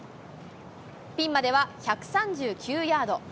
ピンまでは１３９ヤード。